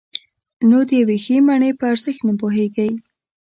نو د یوې ښې مڼې په ارزښت نه پوهېږئ.